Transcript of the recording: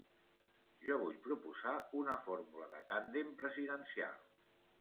Jo vull proposar una fórmula de tàndem presidencial.